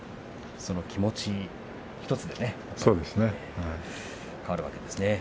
その気持ち１つでですね変わるわけですね。